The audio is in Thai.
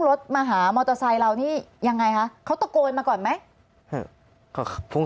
รถมาหามอเตอร์ไซค์เรานี่ยังไงคะเขาตะโกนมาก่อนไหม